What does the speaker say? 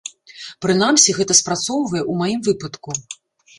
Прынамсі, гэта спрацоўвае ў маім выпадку.